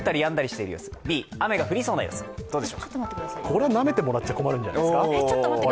これはなめてもらっちゃ困るんじゃないですか？